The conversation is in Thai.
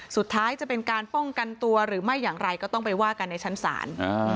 จะเป็นการป้องกันตัวหรือไม่อย่างไรก็ต้องไปว่ากันในชั้นศาล